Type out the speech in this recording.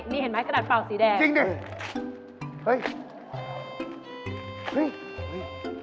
นี่เห็นไหมกระดาษป่าวสีแดงโอ้โฮจริงดิ